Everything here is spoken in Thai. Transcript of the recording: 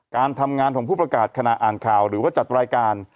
การทำงานของผู้ประกาศขณะอ่านข่าวหรือว่าจัดรายการ